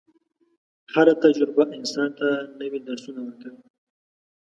هره تجربه انسان ته نوي درسونه ورکوي.